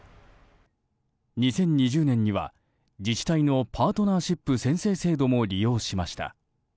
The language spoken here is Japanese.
２０２０年には自治体のパートナーシップ宣誓制度も利用しました。